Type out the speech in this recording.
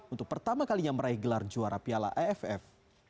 untuk pertama kalinya meraih gelar juara piala aff